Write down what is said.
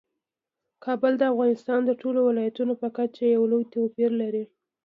کابل د افغانستان د ټولو ولایاتو په کچه یو توپیر لري.